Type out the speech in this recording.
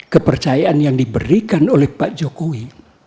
kepercayaan yang diberikan oleh pak jokowi